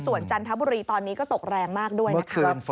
ส่วนจันทบุรีตอนนี้ก็ตกแรงมากด้วยนะคะ